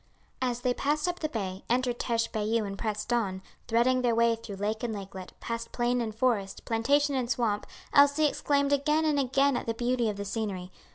As they passed up the bay, entered Teche Bayou and pressed on, threading their way through lake and lakelet, past plain and forest, plantation and swamp, Elsie exclaimed again and again at the beauty of the scenery.